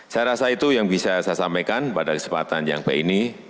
saya rasa itu yang bisa saya sampaikan pada kesempatan yang baik ini